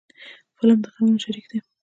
فلم د غمونو شریک دی